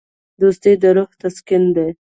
دوستي د روح تسکین دی.